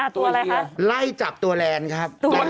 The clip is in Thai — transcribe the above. ตัวอะไรคะไล่จับตัวแลนด์ครับ